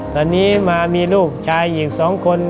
ตอนนี้มามีลูกชายอีก๒คน